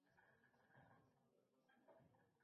د تیمور شاه حکومت په لنډه دوره کې.